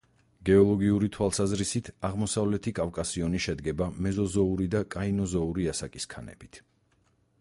გეოლოგიური თვალსაზრისით, აღმოსავლეთი კავკასიონი შედგება მეზოზოური და კაინოზოური ასაკის ქანებით.